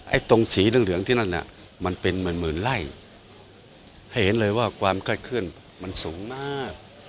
ไอ้ตรงสีเหลืองที่นั้นเนี่ยมันเป็นหมื่นไร่